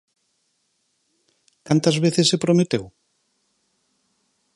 ¿Cantas veces se prometeu?